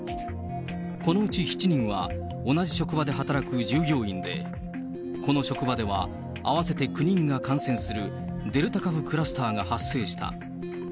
このうち７人は、同じ職場で働く従業員で、この職場では、合わせて９人が感染するデルタ株クラスターが発生した。